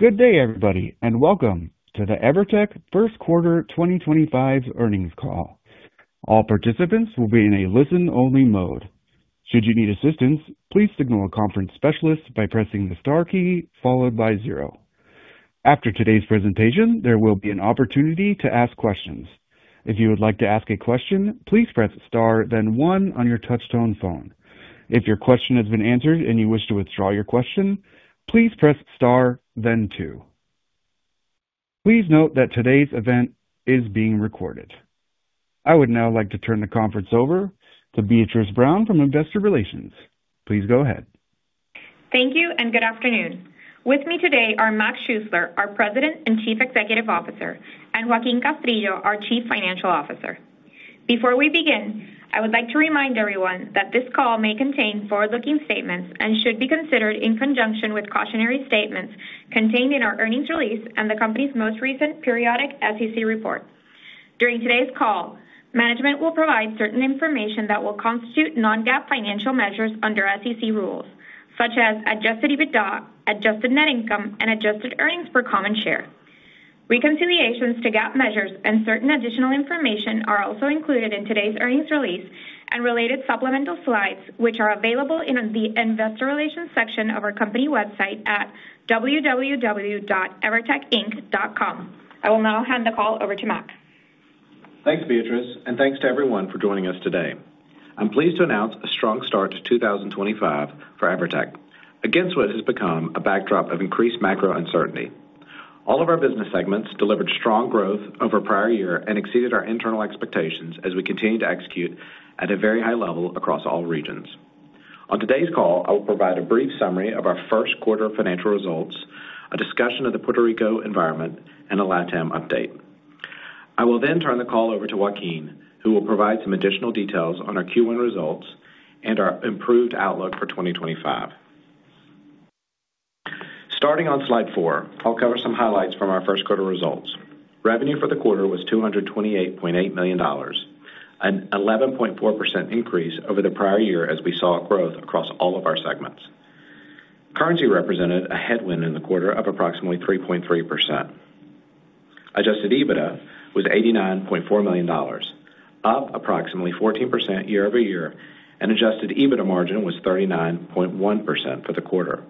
Good day, everybody, and welcome to the EVERTEC First Quarter 2025 earnings call. All participants will be in a listen-only mode. Should you need assistance, please signal a conference specialist by pressing the star key followed by zero. After today's presentation, there will be an opportunity to ask questions. If you would like to ask a question, please press star, then one on your touchstone phone. If your question has been answered and you wish to withdraw your question, please press star, then two. Please note that today's event is being recorded. I would now like to turn the conference over to Beatriz Brown from Investor Relations. Please go ahead. Thank you, and good afternoon. With me today are Mac Schuessler, our President and Chief Executive Officer, and Joaquin Castrillo, our Chief Financial Officer. Before we begin, I would like to remind everyone that this call may contain forward-looking statements and should be considered in conjunction with cautionary statements contained in our earnings release and the company's most recent periodic SEC report. During today's call, management will provide certain information that will constitute non-GAAP financial measures under SEC rules, such as adjusted EBITDA, adjusted net income, and adjusted earnings per common share. Reconciliations to GAAP measures and certain additional information are also included in today's earnings release and related supplemental slides, which are available in the Investor Relations section of our company website at www.evertecinc.com. I will now hand the call over to Mac. Thanks, Beatriz, and thanks to everyone for joining us today. I'm pleased to announce a strong start to 2025 for EVERTEC against what has become a backdrop of increased macro uncertainty. All of our business segments delivered strong growth over a prior year and exceeded our internal expectations as we continue to execute at a very high level across all regions. On today's call, I will provide a brief summary of our first-quarter financial results, a discussion of the Puerto Rico environment, and a LatAm update. I will then turn the call over to Joaquín, who will provide some additional details on our Q1 results and our improved outlook for 2025. Starting on slide four, I'll cover some highlights from our first quarter results. Revenue for the quarter was $228.8 million, an 11.4% increase over the prior year, as we saw growth across all of our segments. Currency represented a headwind in the quarter of approximately 3.3%. Adjusted EBITDA was $89.4 million, up approximately 14% year over year, and adjusted EBITDA margin was 39.1% for the quarter,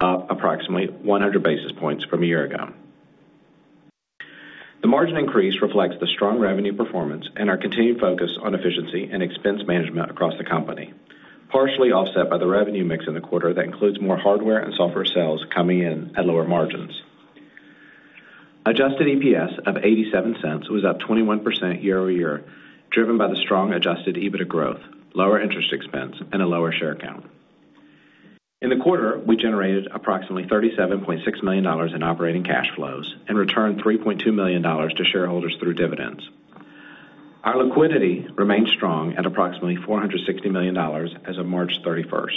up approximately 100 basis points from a year ago. The margin increase reflects the strong revenue performance and our continued focus on efficiency and expense management across the company, partially offset by the revenue mix in the quarter that includes more hardware and software sales coming in at lower margins. Adjusted EPS of $0.87 was up 21% year over year, driven by the strong adjusted EBITDA growth, lower interest expense, and a lower share count. In the quarter, we generated approximately $37.6 million in operating cash flows and returned $3.2 million to shareholders through dividends. Our liquidity remained strong at approximately $460 million as of March 31.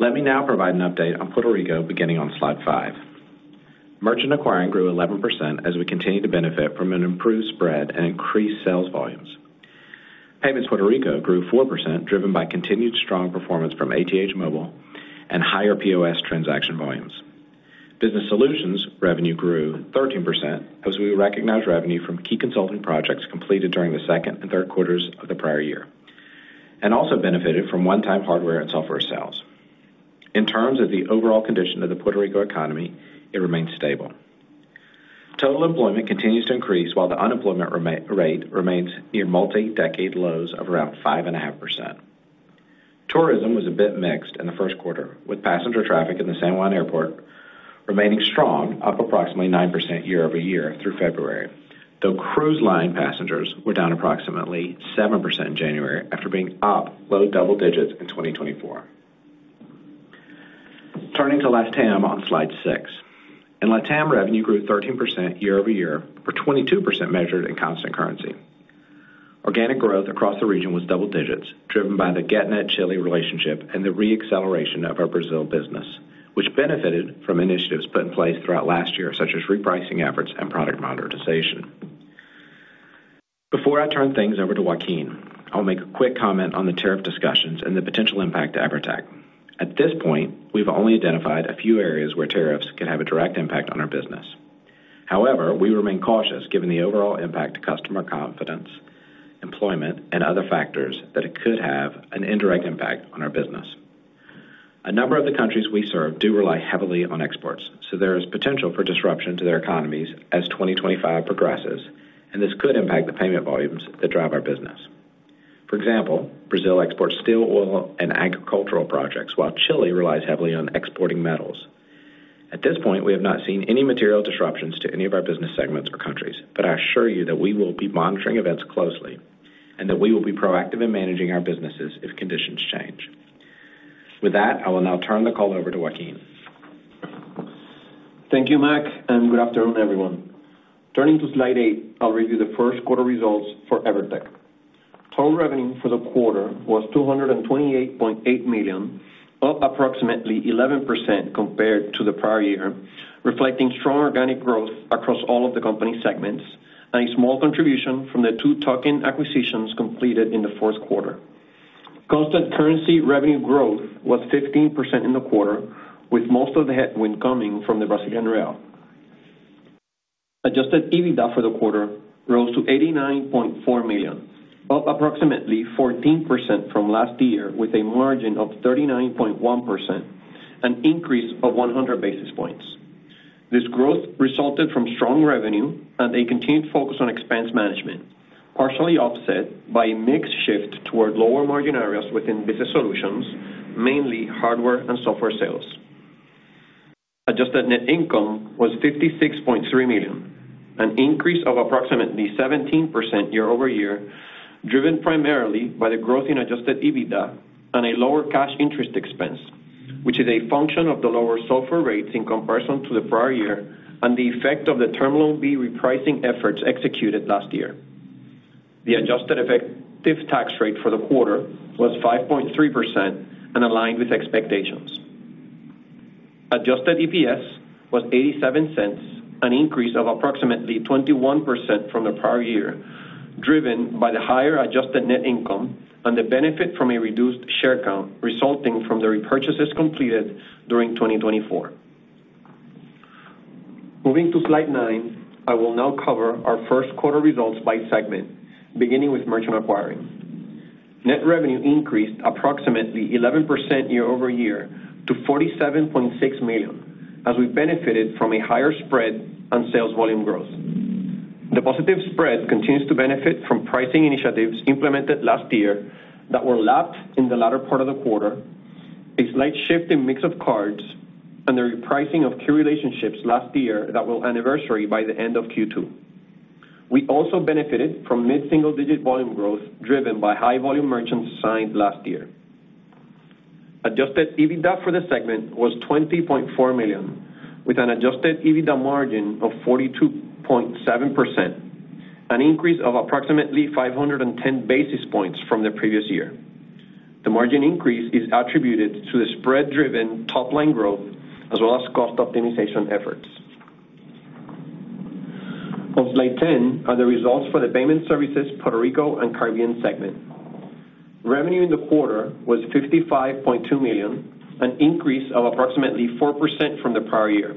Let me now provide an update on Puerto Rico beginning on slide five. Merchant acquiring grew 11% as we continue to benefit from an improved spread and increased sales volumes. Payments Puerto Rico grew 4%, driven by continued strong performance from ATH Móvil and higher POS transaction volumes. Business Solutions revenue grew 13% as we recognized revenue from key consulting projects completed during the second and third quarters of the prior year and also benefited from one-time hardware and software sales. In terms of the overall condition of the Puerto Rico economy, it remained stable. Total employment continues to increase while the unemployment rate remains near multi-decade lows of around 5.5%. Tourism was a bit mixed in the first quarter, with passenger traffic in the San Juan Airport remaining strong, up approximately 9% year over year through February, though cruise line passengers were down approximately 7% in January after being up low double digits in 2024. Turning to LatAm on slide six, in LatAm, revenue grew 13% year over year for 22% measured in constant currency. Organic growth across the region was double digits, driven by the Getnet Chile relationship and the re-acceleration of our Brazil business, which benefited from initiatives put in place throughout last year, such as repricing efforts and product modernization. Before I turn things over to Joaquín, I'll make a quick comment on the tariff discussions and the potential impact to EVERTEC. At this point, we've only identified a few areas where tariffs could have a direct impact on our business. However, we remain cautious given the overall impact to customer confidence, employment, and other factors that it could have an indirect impact on our business. A number of the countries we serve do rely heavily on exports, so there is potential for disruption to their economies as 2025 progresses, and this could impact the payment volumes that drive our business. For example, Brazil exports steel, oil, and agricultural products, while Chile relies heavily on exporting metals. At this point, we have not seen any material disruptions to any of our business segments or countries, but I assure you that we will be monitoring events closely and that we will be proactive in managing our businesses if conditions change. With that, I will now turn the call over to Joaquín. Thank you, Mac, and good afternoon, everyone. Turning to slide eight, I'll review the first quarter results for EVERTEC. Total revenue for the quarter was $228.8 million, up approximately 11% compared to the prior year, reflecting strong organic growth across all of the company segments and a small contribution from the two token acquisitions completed in the fourth quarter. Constant currency revenue growth was 15% in the quarter, with most of the headwind coming from the Brazilian real. Adjusted EBITDA for the quarter rose to $89.4 million, up approximately 14% from last year, with a margin of 39.1%, an increase of 100 basis points. This growth resulted from strong revenue and a continued focus on expense management, partially offset by a mix shift toward lower margin areas within Business Solutions, mainly hardware and software sales. Adjusted net income was $56.3 million, an increase of approximately 17% year over year, driven primarily by the growth in adjusted EBITDA and a lower cash interest expense, which is a function of the lower software rates in comparison to the prior year and the effect of the Term Loan B repricing efforts executed last year. The adjusted effective tax rate for the quarter was 5.3% and aligned with expectations. Adjusted EPS was $0.87, an increase of approximately 21% from the prior year, driven by the higher adjusted net income and the benefit from a reduced share count resulting from the repurchases completed during 2024. Moving to slide nine, I will now cover our first quarter results by segment, beginning with merchant acquiring. Net revenue increased approximately 11% year over year to $47.6 million, as we benefited from a higher spread and sales volume growth. The positive spread continues to benefit from pricing initiatives implemented last year that were lapped in the latter part of the quarter, a slight shift in mix of cards, and the repricing of key relationships last year that will anniversary by the end of Q2. We also benefited from mid-single-digit volume growth driven by high-volume merchants signed last year. Adjusted EBITDA for the segment was $20.4 million, with an adjusted EBITDA margin of 42.7%, an increase of approximately 510 basis points from the previous year. The margin increase is attributed to the spread-driven top-line growth as well as cost optimization efforts. On slide 10 are the results for the Payment Services Puerto Rico and Caribbean segment. Revenue in the quarter was $55.2 million, an increase of approximately 4% from the prior year.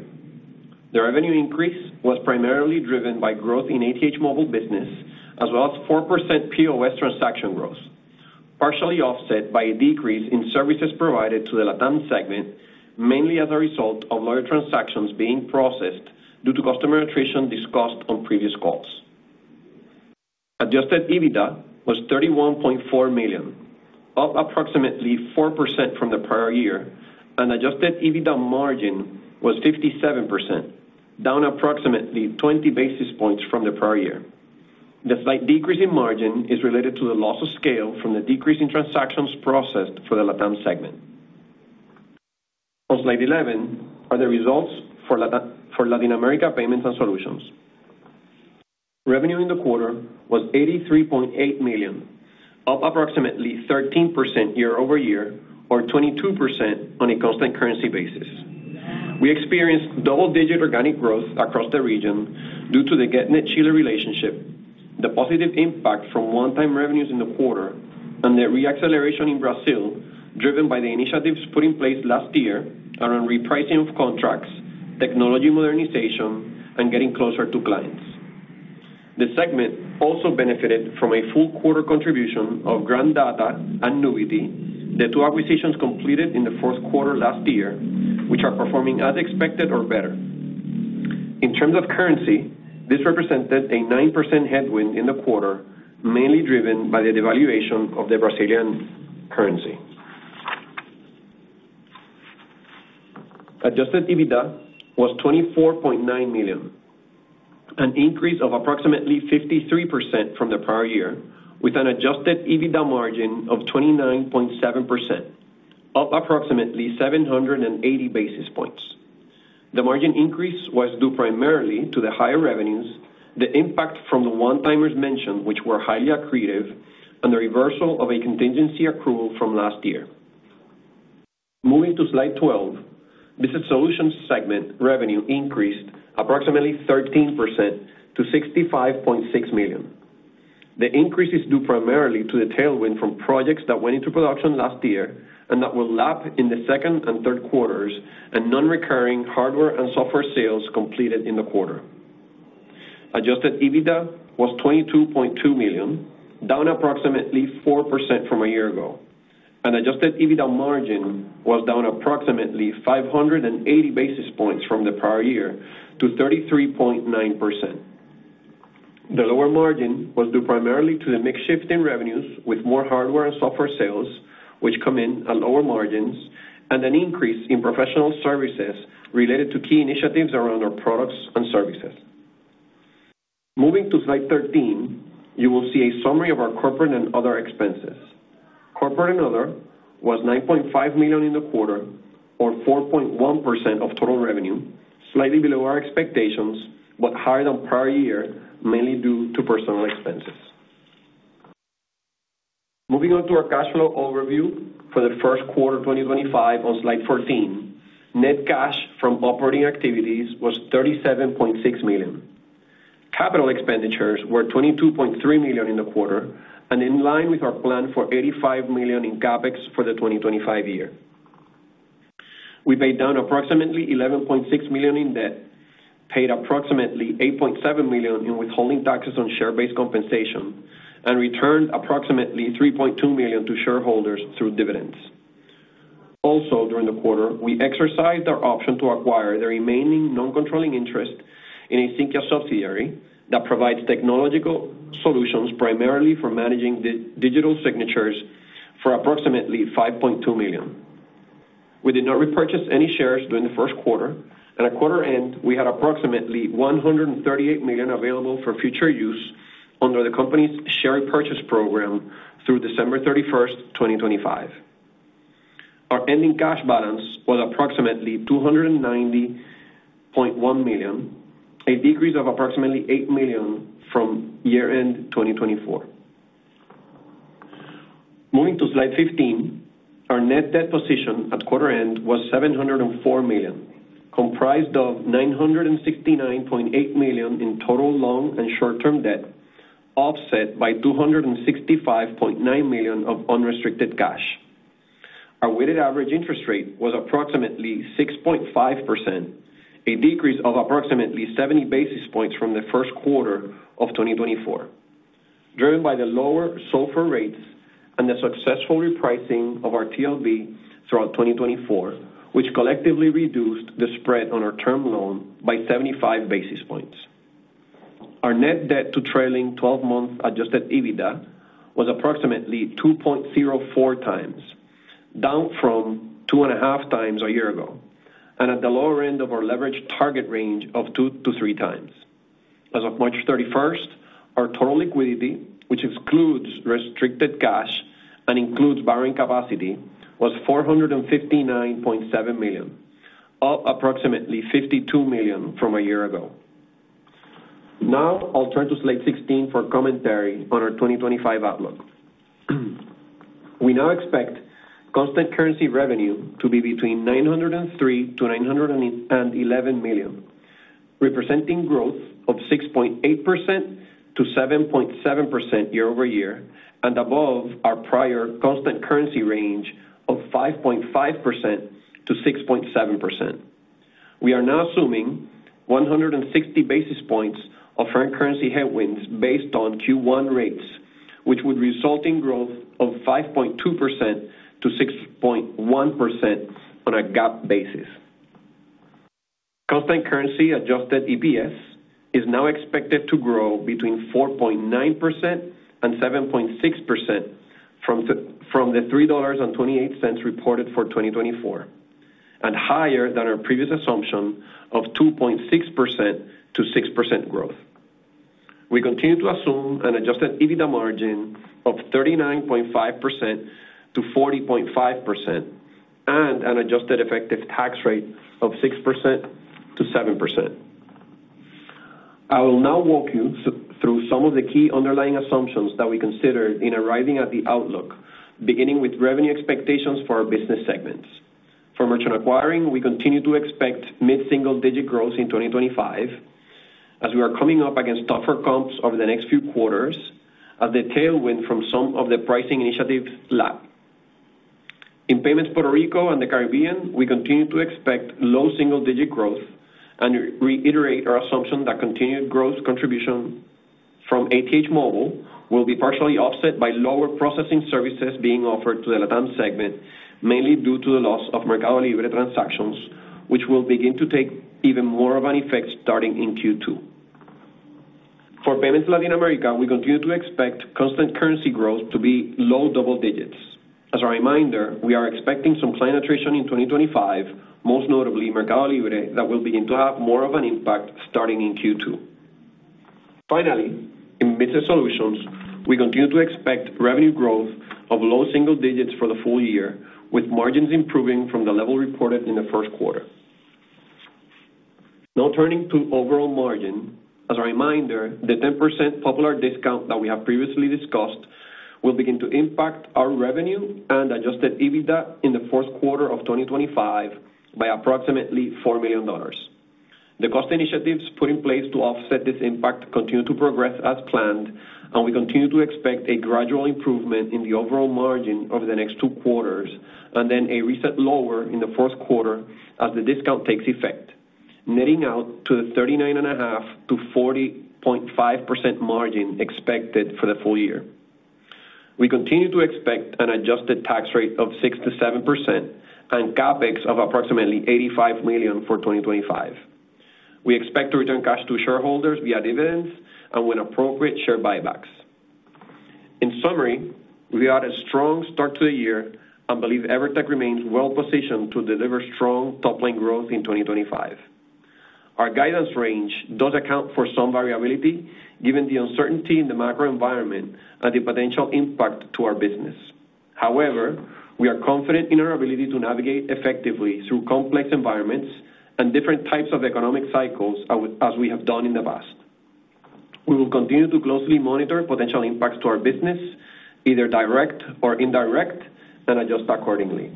The revenue increase was primarily driven by growth in ATH Móvil business as well as 4% POS transaction growth, partially offset by a decrease in services provided to the LatAm segment, mainly as a result of lower transactions being processed due to customer attrition discussed on previous calls. Adjusted EBITDA was $31.4 million, up approximately 4% from the prior year, and adjusted EBITDA margin was 57%, down approximately 20 basis points from the prior year. The slight decrease in margin is related to the loss of scale from the decrease in transactions processed for the LatAm segment. On slide 11 are the results for Latin America Payments and Solutions. Revenue in the quarter was $83.8 million, up approximately 13% year over year, or 22% on a constant currency basis. We experienced double-digit organic growth across the region due to the Getnet Chile relationship, the positive impact from one-time revenues in the quarter, and the re-acceleration in Brazil driven by the initiatives put in place last year around repricing of contracts, technology modernization, and getting closer to clients. The segment also benefited from a full quarter contribution of Grandata and Nubity, the two acquisitions completed in the fourth quarter last year, which are performing as expected or better. In terms of currency, this represented a 9% headwind in the quarter, mainly driven by the devaluation of the Brazilian currency. Adjusted EBITDA was $24.9 million, an increase of approximately 53% from the prior year, with an adjusted EBITDA margin of 29.7%, up approximately 780 basis points. The margin increase was due primarily to the higher revenues, the impact from the one-timers mentioned, which were highly accretive, and the reversal of a contingency accrual from last year. Moving to slide 12, Business Solutions segment revenue increased approximately 13% to $65.6 million. The increase is due primarily to the tailwind from projects that went into production last year and that will lap in the second and third quarters and non-recurring hardware and software sales completed in the quarter. Adjusted EBITDA was $22.2 million, down approximately 4% from a year ago, and adjusted EBITDA margin was down approximately 580 basis points from the prior year to 33.9%. The lower margin was due primarily to the mixed shift in revenues with more hardware and software sales, which come in at lower margins, and an increase in professional services related to key initiatives around our products and services. Moving to slide 13, you will see a summary of our corporate and other expenses. Corporate and other was $9.5 million in the quarter, or 4.1% of total revenue, slightly below our expectations but higher than prior year, mainly due to personnel expenses. Moving on to our cash flow overview for the first-quarter 2025 on slide 14, net cash from operating activities was $37.6 million. Capital expenditures were $22.3 million in the quarter and in line with our plan for $85 million in CapEx for the 2025 year. We paid down approximately $11.6 million in debt, paid approximately $8.7 million in withholding taxes on share-based compensation, and returned approximately $3.2 million to shareholders through dividends. Also, during the quarter, we exercised our option to acquire the remaining non-controlling interest in a Sinqia subsidiary that provides technological solutions primarily for managing digital signatures for approximately $5.2 million. We did not repurchase any shares during the first quarter, and at quarter end, we had approximately $138 million available for future use under the company's share purchase program through December 31, 2025. Our ending cash balance was approximately $290.1 million, a decrease of approximately $8 million from year-end 2024. Moving to slide 15, our net debt position at quarter end was $704 million, comprised of $969.8 million in total long-and short-term debt, offset by $265.9 million of unrestricted cash. Our weighted average interest rate was approximately 6.5%, a decrease of approximately 70 basis points from the first quarter of 2024, driven by the lower software rates and the successful repricing of our Term Loan B throughout 2024, which collectively reduced the spread on our term loan by 75 basis points. Our net debt to trailing 12-month adjusted EBITDA was approximately 2.04 times, down from 2.5 times a year ago, and at the lower end of our leverage target range of 2-3 times. As of March 31, our total liquidity, which excludes restricted cash and includes borrowing capacity, was $459.7 million, up approximately $52 million from a year ago. Now, I'll turn to slide 16 for commentary on our 2025 outlook. We now expect constant currency revenue to be between $903.0 million to $911.0 million, representing growth of 6.8%-7.7% year over year and above our prior constant currency range of 5.5%-6.7%. We are now assuming 160 basis points of current currency headwinds based on Q1 rates, which would result in growth of 5.2%-6.1% on a GAAP basis. Constant currency adjusted EPS is now expected to grow between 4.9% and 7.6% from the $3.28 reported for 2024, and higher than our previous assumption of 2.6%-6% growth. We continue to assume an adjusted EBITDA margin of 39.5%-40.5% and an adjusted effective tax rate of 6%-7%. I will now walk you through some of the key underlying assumptions that we considered in arriving at the outlook, beginning with revenue expectations for our business segments. For merchant acquiring, we continue to expect mid-single-digit growth in 2025, as we are coming up against tougher comps over the next few quarters, as the tailwind from some of the pricing initiatives lap. In Payments Puerto Rico and the Caribbean, we continue to expect low single-digit growth and reiterate our assumption that continued growth contribution from ATH Móvil will be partially offset by lower processing services being offered to the LatAm segment, mainly due to the loss of Mercado Libre transactions, which will begin to take even more of an effect starting in Q2. For Payments Latin America, we continue to expect constant currency growth to be low double digits. As a reminder, we are expecting some client attrition in 2025, most notably Mercado Libre that will begin to have more of an impact starting in Q2. Finally, in Business Solutions, we continue to expect revenue growth of low single digits for the full year, with margins improving from the level reported in the first quarter. Now turning to overall margin, as a reminder, the 10% Popular discount that we have previously discussed will begin to impact our revenue and adjusted EBITDA in the fourth quarter of 2025 by approximately $4 million. The cost initiatives put in place to offset this impact continue to progress as planned, and we continue to expect a gradual improvement in the overall margin over the next two quarters and then a recent lower in the fourth quarter as the discount takes effect, netting out to the 39.5%-40.5% margin expected for the full year. We continue to expect an adjusted tax rate of 6%-7% and CapEx of approximately $85 million for 2025. We expect to return cash to shareholders via dividends and when appropriate, share buybacks. In summary, we had a strong start to the year and believe EVERTEC remains well-positioned to deliver strong top-line growth in 2025. Our guidance range does account for some variability given the uncertainty in the macro environment and the potential impact to our business. However, we are confident in our ability to navigate effectively through complex environments and different types of economic cycles, as we have done in the past. We will continue to closely monitor potential impacts to our business, either direct or indirect, and adjust accordingly.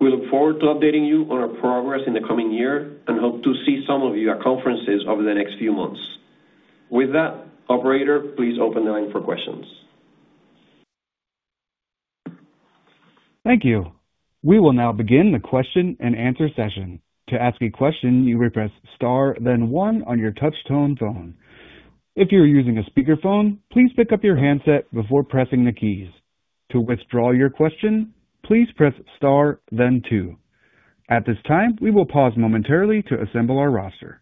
We look forward to updating you on our progress in the coming year and hope to see some of you at conferences over the next few months. With that, Operator, please open the line for questions. Thank you. We will now begin the question and answer session. To ask a question, you may press Star, then 1 on your touch-tone phone. If you're using a speakerphone, please pick up your handset before pressing the keys. To withdraw your question, please press star, then two. At this time, we will pause momentarily to assemble our roster.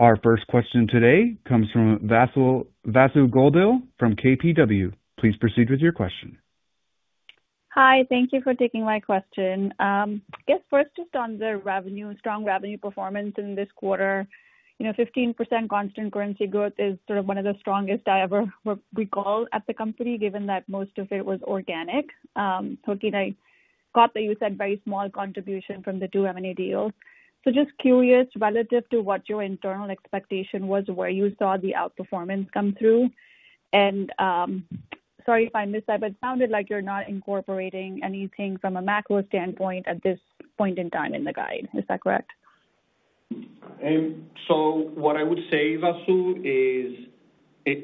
Our first question today comes from Vasu Govil from KBW. Please proceed with your question. Hi, thank you for taking my question. I guess first, just on the revenue, strong revenue performance in this quarter, 15% constant currency growth is sort of one of the strongest I ever recall at the company, given that most of it was organic. So I thought that you said very small contribution from the two M&A deals. Just curious relative to what your internal expectation was, where you saw the outperformance come through. Sorry if I missed that, but it sounded like you're not incorporating anything from a macro standpoint at this point in time in the guide. Is that correct? What I would say, Vasu, is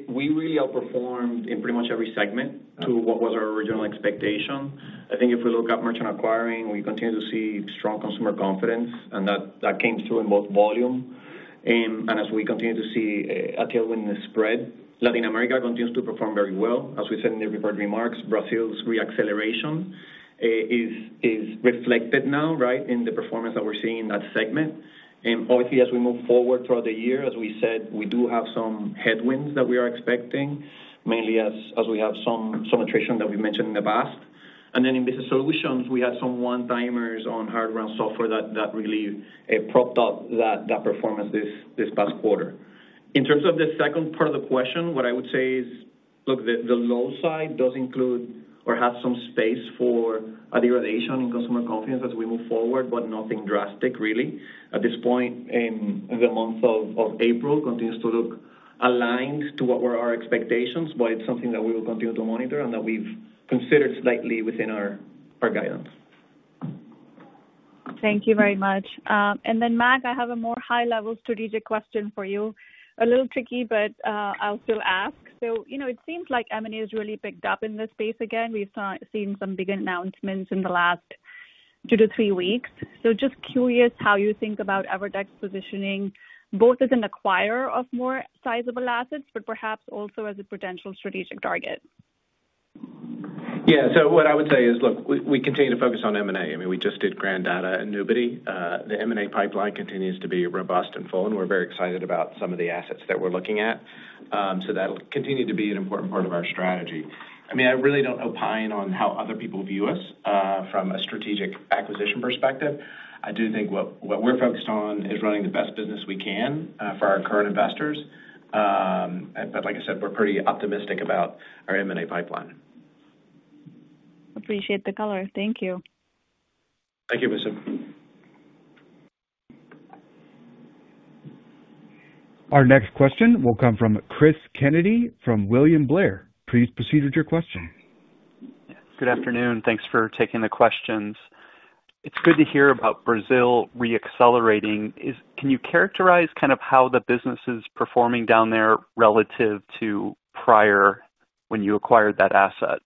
we really outperformed in pretty much every segment to what was our original expectation. I think if we look at merchant acquiring, we continue to see strong consumer confidence, and that came through in both volume. As we continue to see a tailwind in the spread, Latin America continues to perform very well. As we said in the recent remarks, Brazil's re-acceleration is reflected now, right, in the performance that we are seeing in that segment. Obviously, as we move forward throughout the year, as we said, we do have some headwinds that we are expecting, mainly as we have some attrition that we have mentioned in the past. In Business Solutions, we had some one-timers on hardware and software that really propped up that performance this past quarter. In terms of the second part of the question, what I would say is, look, the low side does include or has some space for a degradation in consumer confidence as we move forward, but nothing drastic, really. At this point in the month of April, it continues to look aligned to what were our expectations, but it is something that we will continue to monitor and that we have considered slightly within our guidance. Thank you very much. Mac, I have a more high-level strategic question for you. A little tricky, but I'll still ask. It seems like M&A has really picked up in this space again. We have seen some big announcements in the last two to three weeks. Just curious how you think about EVERTEC's positioning, both as an acquirer of more sizable assets, but perhaps also as a potential strategic target. Yeah. What I would say is, look, we continue to focus on M&A. I mean, we just did Gran Data and Nubity. The M&A pipeline continues to be robust and full, and we're very excited about some of the assets that we're looking at. That'll continue to be an important part of our strategy. I mean, I really don't opine on how other people view us from a strategic acquisition perspective. I do think what we're focused on is running the best business we can for our current investors. Like I said, we're pretty optimistic about our M&A pipeline. Appreciate the color. Thank you. Thank you, Vasu. Our next question will come from Chris Kennedy from William Blair. Please proceed with your question. Good afternoon. Thanks for taking the questions. It's good to hear about Brazil re-accelerating. Can you characterize kind of how the business is performing down there relative to prior when you acquired that asset?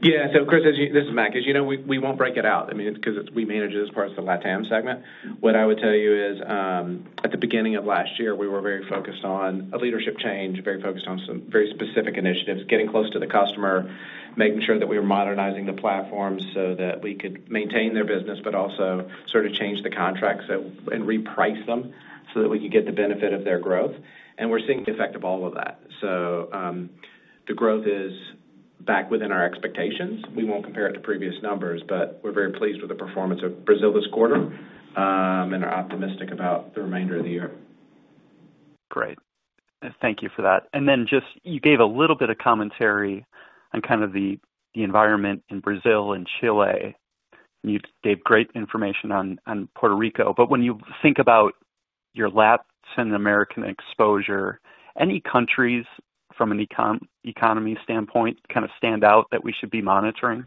Yeah. So Chris, this is Mac. As you know, we will not break it out. I mean, because we manage it as part of the LatAm segment. What I would tell you is, at the beginning of last year, we were very focused on a leadership change, very focused on some very specific initiatives, getting close to the customer, making sure that we were modernizing the platform so that we could maintain their business but also sort of change the contracts and reprice them so that we could get the benefit of their growth. We are seeing the effect of all of that. The growth is back within our expectations. We won't compare it to previous numbers, but we're very pleased with the performance of Brazil this quarter, and we're optimistic about the remainder of the year. Great. Thank you for that. Then just you gave a little bit of commentary on kind of the environment in Brazil and Chile. You gave great information on Puerto Rico. When you think about your Latin American exposure, any countries from an economy standpoint, kind of stand out that we should be monitoring?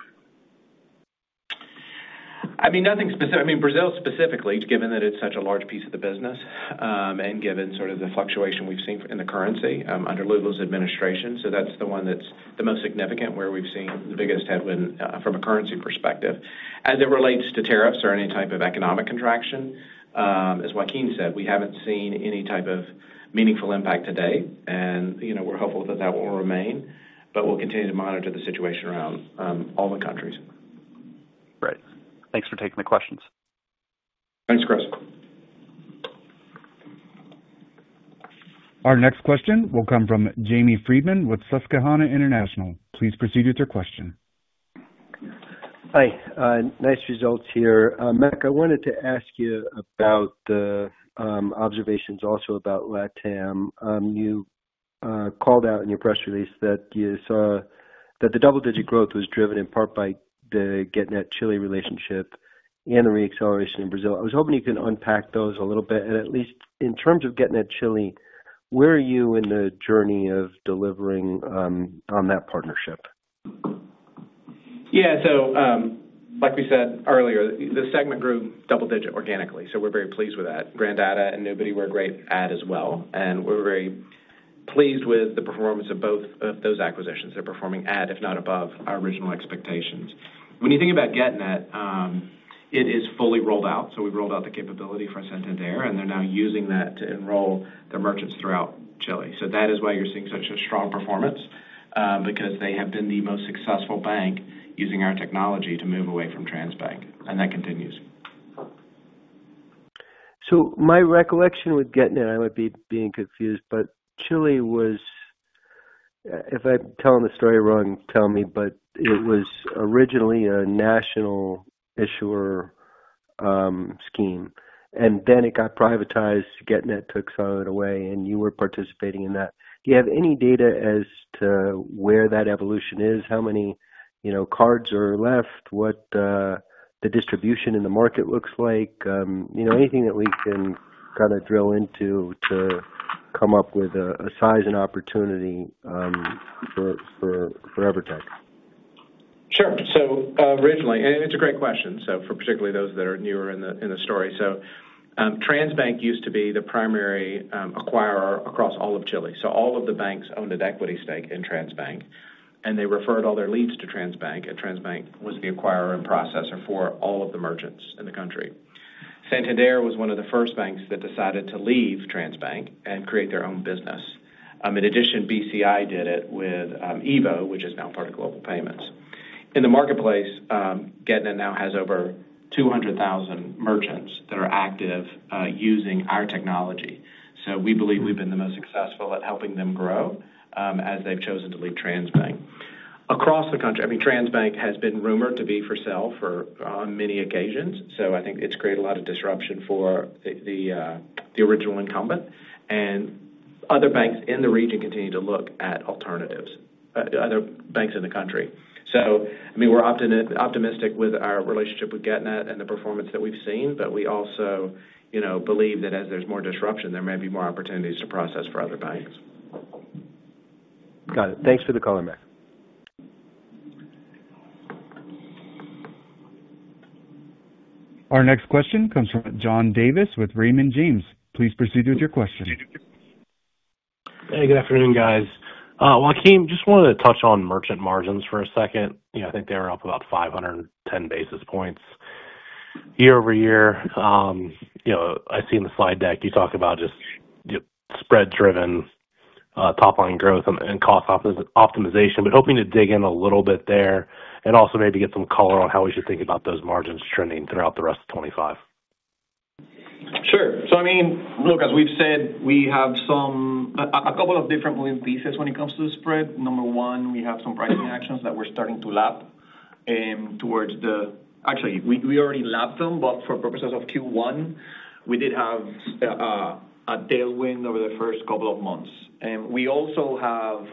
I mean, nothing specific. I mean, Brazil specifically, given that it's such a large piece of the business and given sort of the fluctuation we've seen in the currency under Lula's administration. That's the one that's the most significant, where we've seen the biggest headwind from a currency perspective. As it relates to tariffs or any type of economic contraction, as Joaquín said, we have not seen any type of meaningful impact today, and we are hopeful that that will remain. We will continue to monitor the situation around all the countries. Great. Thanks for taking the questions. Thanks, Chris. Our next question will come from Jamie Friedman with Susquehanna International. Please proceed with your question. Hi. Nice results here. Mac, I wanted to ask you about the observations also about LatAm. You called out in your press release that you saw that the double-digit growth was driven in part by the Getnet Chile relationship and the re-acceleration in Brazil. I was hoping you could unpack those a little bit. At least in terms of Getnet Chile, where are you in the journey of delivering on that partnership? Yeah. Like we said earlier, the segment grew double-digit organically. We're very pleased with that. Gran Data and Nubity were a great add as well. We're very pleased with the performance of both of those acquisitions. They're performing at, if not above, our original expectations. When you think about Getnet, it is fully rolled out. We rolled out the capability for Santander, and they're now using that to enroll their merchants throughout Chile. That is why you're seeing such a strong performance, because they have been the most successful bank using our technology to move away from Transbank. That continues. My recollection with Getnet, I might be being confused, but Chile was, if I'm telling the story wrong, tell me, but it was originally a national issuer scheme. Then it got privatized, Getnet took some of it away, and you were participating in that. Do you have any data as to where that evolution is? How many cards are left? What the distribution in the market looks like? Anything that we can kind of drill into to come up with a size and opportunity for EVERTEC? Sure. So originally, and it's a great question, so for particularly those that are newer in the story. Transbank used to be the primary acquirer across all of Chile. All of the banks owned an equity stake in Transbank, and they referred all their leads to Transbank, and Transbank was the acquirer and processor for all of the merchants in the country. Santander was one of the first banks that decided to leave Transbank and create their own business. In addition, BCI did it with Evo, which is now part of Global Payments. In the marketplace, Getnet now has over 200,000 merchants that are active using our technology. We believe we've been the most successful at helping them grow as they've chosen to leave Transbank. Across the country, I mean, Transbank has been rumored to be for sale for many occasions. I think it's created a lot of disruption for the original incumbent. Other banks in the region continue to look at alternatives, other banks in the country. I mean, we're optimistic with our relationship with Getnet and the performance that we've seen, but we also believe that as there's more disruption, there may be more opportunities to process for other banks. Got it. Thanks for the call, Mac. Our next question comes from John Davis with Raymond James. Please proceed with your question. Hey, good afternoon, guys. Joaquin, just wanted to touch on merchant margins for a second. I think they were up about 510 basis points year over year. I see in the slide deck you talk about just spread-driven top-line growth and cost optimization. Hoping to dig in a little bit there and also maybe get some color on how we should think about those margins trending throughout the rest of 2025. Sure. I mean, look, as we have said, we have a couple of different moving pieces when it comes to the spread. Number one, we have some pricing actions that we are starting to lap towards the—actually, we already lapped them, but for purposes of Q1, we did have a tailwind over the first couple of months. We also have,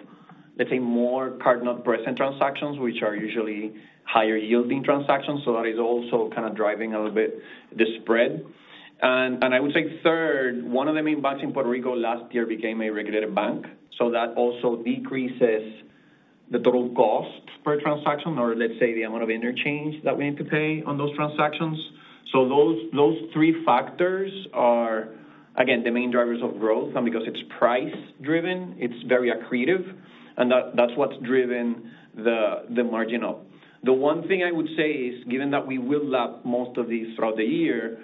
let's say, more card-not-present transactions, which are usually higher-yielding transactions. That is also kind of driving a little bit the spread. I would say third, one of the main banks in Puerto Rico last year became a regulated bank. That also decreases the total cost per transaction or, let's say, the amount of interchange that we need to pay on those transactions. Those three factors are, again, the main drivers of growth. Because it is price-driven, it is very accretive. That is what has driven the margin up. The one thing I would say is, given that we will lap most of these throughout the year,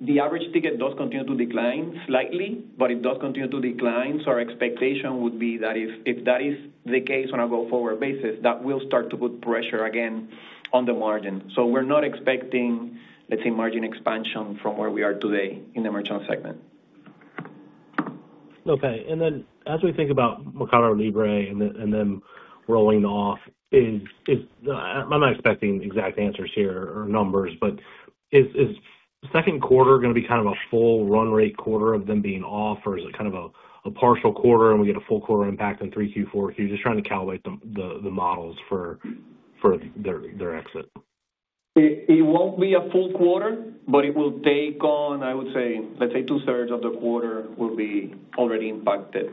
the average ticket does continue to decline slightly, but it does continue to decline. Our expectation would be that if that is the case on a go-forward basis, that will start to put pressure again on the margin. We are not expecting, let's say, margin expansion from where we are today in the merchant segment. Okay. As we think about Mercado Libre and them rolling off, I'm not expecting exact answers here or numbers, but is second quarter going to be kind of a full run-rate quarter of them being off, or is it kind of a partial quarter, and we get a full quarter impact in 3Q, 4Q? Just trying to calibrate the models for their exit. It won't be a full quarter, but it will take on, I would say, let's say two-thirds of the quarter will be already impacted.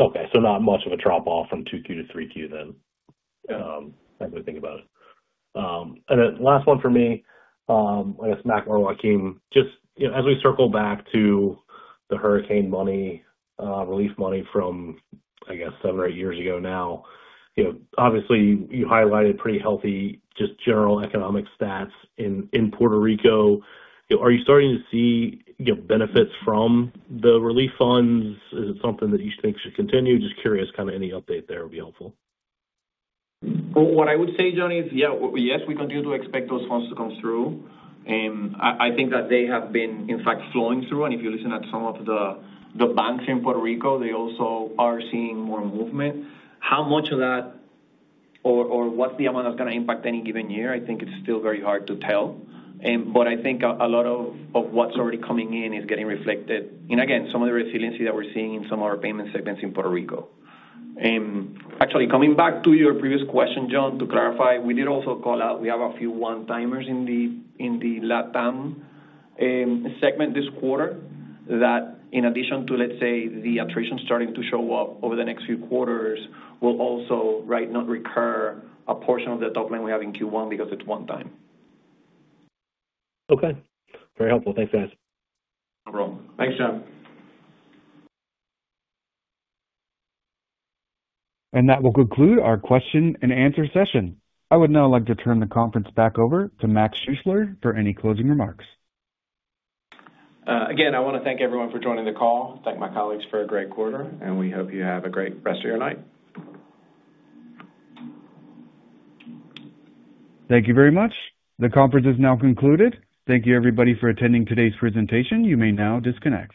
Okay. Not much of a drop-off from 2Q to 3Q then, as we think about it. Last one for me, I guess, Mac or Joaquín, just as we circle back to the hurricane relief money from, I guess, seven or eight years ago now, obviously, you highlighted pretty healthy just general economic stats in Puerto Rico. Are you starting to see benefits from the relief funds? Is it something that you think should continue? Just curious, kind of any update there would be helpful. What I would say, John, is, yeah, yes, we continue to expect those funds to come through. I think that they have been, in fact, flowing through. If you listen at some of the banks in Puerto Rico, they also are seeing more movement. How much of that, or what is the amount that is going to impact any given year? I think it is still very hard to tell. I think a lot of what is already coming in is getting reflected in, again, some of the resiliency that we are seeing in some of our payment segments in Puerto Rico. Actually, coming back to your previous question, John, to clarify, we did also call out we have a few one-timers in the LatAm segment this quarter that, in addition to, let's say, the attrition starting to show up over the next few quarters, will also right now recur a portion of the top line we have in Q1 because it's one-time. Okay. Very helpful. Thanks, guys. No problem. Thanks, John. That will conclude our question-and-answer session. I would now like to turn the conference back over to Mac Schuessler for any closing remarks. Again, I want to thank everyone for joining the call. Thank my colleagues for a great quarter, and we hope you have a great rest of your night. Thank you very much. The conference is now concluded. Thank you, everybody, for attending today's presentation. You may now disconnect.